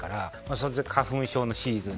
それに花粉症のシーズン